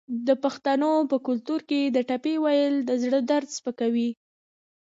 د پښتنو په کلتور کې د ټپې ویل د زړه درد سپکوي.